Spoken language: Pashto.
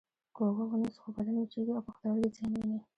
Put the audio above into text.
که اوبه ونه څښو بدن وچېږي او پښتورګي زیان ویني